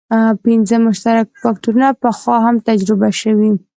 پنځه مشترک فکټورونه پخوا هم تجربه شوي.